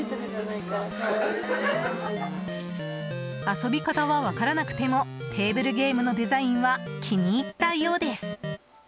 遊び方は分からなくてもテーブルゲームのデザインは気に入ったようです。